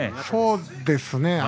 そうですね。